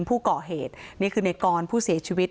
ผู้ก่อเหตุนี่คือในกรผู้เสียชีวิต